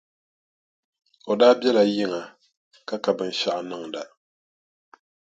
O daa biɛla yiŋa ka ka binshɛɣu n-niŋda.